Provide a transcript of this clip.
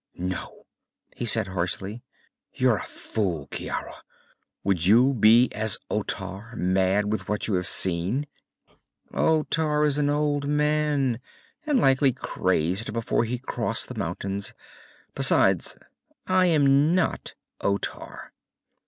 "No," he said harshly. "You're a fool, Ciara. Would you be as Otar, mad with what you have seen?" "Otar is an old man, and likely crazed before he crossed the mountains. Besides I am not Otar."